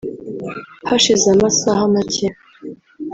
Hashize amasaha make